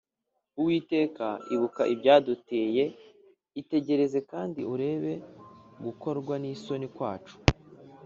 Uwiteka, ibuka ibyaduteye, Itegereze kandi urebe gukorwa n’isoni kwacu.